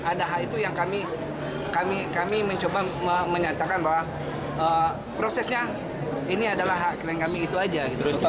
ada hal itu yang kami mencoba menyatakan bahwa prosesnya ini adalah hak klien kami itu saja